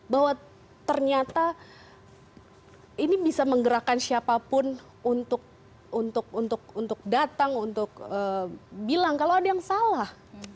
bahwa ternyata ini bisa menggerakkan siapapun untuk datang untuk bilang kalau ada yang salah